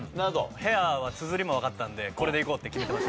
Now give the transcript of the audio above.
「ｈａｉｒ」はつづりもわかったのでこれでいこうって決めてました。